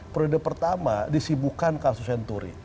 periode pertama disibukan kasus senturi